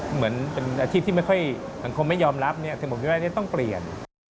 เหมือนเป็นอาชีพที่ไม่ค่อยสังคมไม่ยอมรับเนี่ยแต่ผมคิดว่าต้องเปลี่ยน